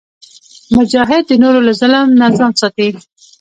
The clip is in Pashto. مجاهد د نورو له ظلم نه ځان ساتي.